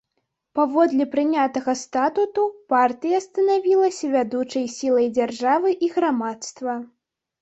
Паводле прынятага статуту, партыя станавілася вядучай сілай дзяржавы і грамадства.